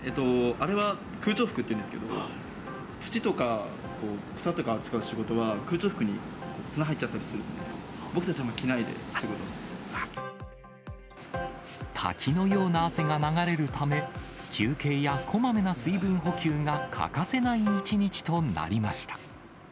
あれは空調服っていうんですけど、土とか草とか扱う仕事は、空調服に砂入っちゃったりするので、滝のような汗が流れるため、休憩やこまめな水分補給が欠かせない一日となりました。